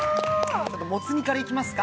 もつ煮からいきますか？